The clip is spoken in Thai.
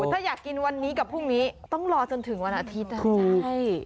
ถ้าอยากกินวันนี้กับพรุ่งนี้ต้องรอจนถึงวันอาทิตย์นะ